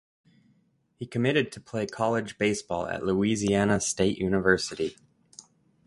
He committed to play college baseball at Louisiana State University.